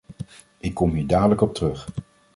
Ik kom hier dadelijk op terug.